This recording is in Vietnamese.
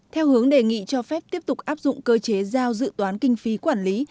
theo hướng đề nghị cho phép tiếp tục áp dụng cơ chế giao dự toán kinh phí quản lý